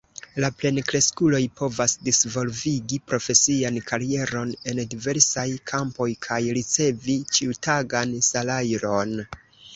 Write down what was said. La plenkreskuloj povas disvolvigi profesian karieron en diversaj kampoj kaj ricevi ĉiutagan salajron.